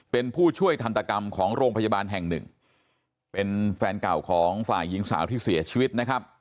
เป็นผู้ช่วยทันตกรรมของโรงพยาบาลแห่งหนึ่งเป็นแฟนเก่าของฝ่ายหญิงสาวที่เสียชีวิตนะครับ